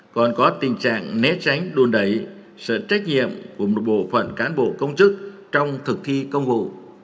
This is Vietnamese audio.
còn có tình trạng né tránh đùn đẩy sợ trách nhiệm của một bộ phận cán bộ công chức trong thực thi công vụ